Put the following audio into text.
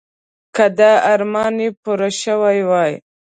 که دا ارمان یې پوره شوی وای.